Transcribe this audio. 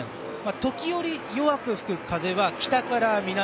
時折、弱く吹く風は北から南。